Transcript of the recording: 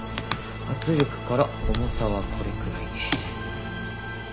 圧力から重さはこれくらい。